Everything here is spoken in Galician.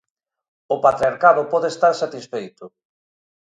O patriarcado pode estar satisfeito.